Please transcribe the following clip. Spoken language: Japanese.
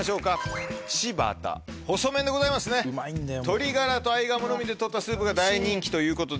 鶏ガラと合鴨のみで取ったスープが大人気ということで。